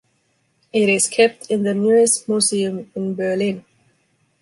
It is kept in the Neues Museum in Berlin.